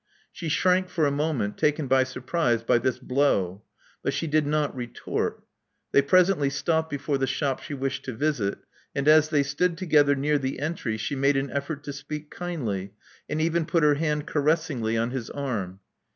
She shrank for a moment, taken by surprise by this blow ; but she did not retort. They presently stopped before the shop she wished to visit ; and as they stood together near the entry, she made an effort to speak kindly, and even put her hand caressingly on his arm.